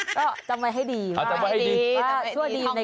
จำไว้ให้ดีจำไว้ให้ดีทองไว้สิ้นใจจำไว้ให้ดี